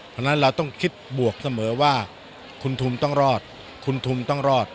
เพราะฉะนั้นเราต้องคิดบวกเสมอว่าคุณทุมต้องรอดคุณทุมต้องรอด